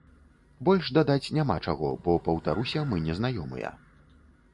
Больш дадаць няма чаго, бо, паўтаруся, мы не знаёмыя.